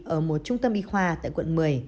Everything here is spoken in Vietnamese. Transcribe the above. ở một trung tâm y khoa tại quận một mươi